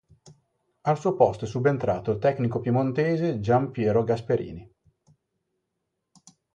Al suo posto è subentrato il tecnico piemontese Gian Piero Gasperini.